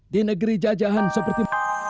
di negeri jajahan seperti